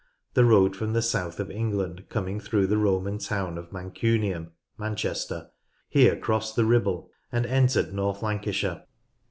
The road from the south of England coming through the Roman town of Mancunium (Manchester) here crossed the Ribble and entered North Lancashire.